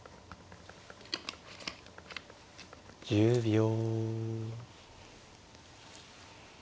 １０秒。